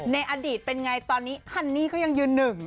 ในอดีตเป็นไงตอนนี้ฮันนี่ก็ยังยืนหนึ่ง